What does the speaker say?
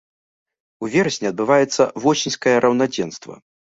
У верасні адбываецца восеньскае раўнадзенства.